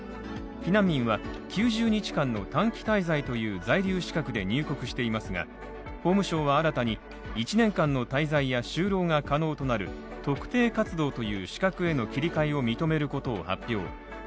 避難民は９０日間の短期滞在という在留資格で入国していますが法務省は新たに１年間の滞在や就労が可能となる特定活動という資格への切り替えを認めることを発表。